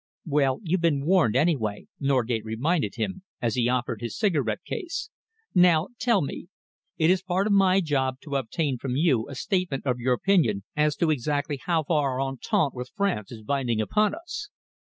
"Well, you've been warned, any way," Norgate reminded him, as he offered his cigarette case. "Now tell me. It is part of my job to obtain from you a statement of your opinion as to exactly how far our entente with France is binding upon us."